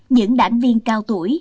những đảng viên cao tuổi